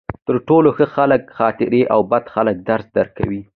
تر ټولو ښه خلک خاطرې او بد خلک درس درکوي.